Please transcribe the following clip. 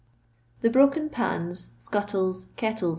The broken pans, scuttles, kettles, &e.